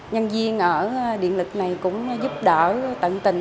nhân viên ở điện lực này cũng giúp đỡ tận tình